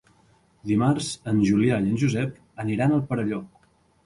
Dimarts en Julià i en Josep aniran al Perelló.